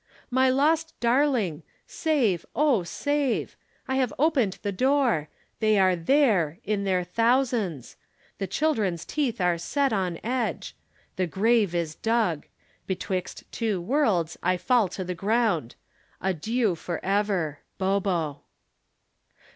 "'My lost darling. Save, O Save! I have opened the door. They are there in their thousands. The children's teeth are set on edge. The grave is dug. Betwixt two worlds I fall to the ground. Adieu forever. BOBO.'